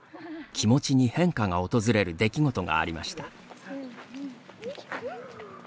気持ちに変化が訪れる出来事がありました。